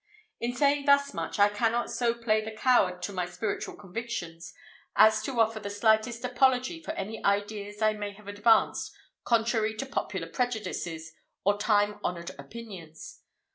In saying thus much, I cannot so play the coward to my spiritual convictions as to offer the slightest apology for any ideas I may have advanced contrary to popular prejudices or time honored opinions.